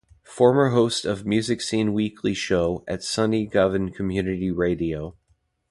Former host of Music Scene weekly show at Sunny Govan community radio.